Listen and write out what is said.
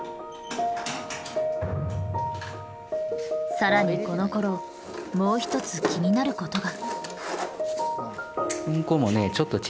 さらにこのころもう一つ気になることが。